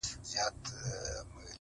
طبیعت د انسانانو نه بدلیږي!!..